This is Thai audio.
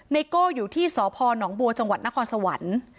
ในโกอยู่ที่สพหนองบัวจนครสวรรค์